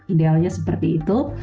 idealnya seperti itu